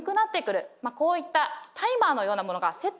こういったタイマーのようなものがセットされるんですね。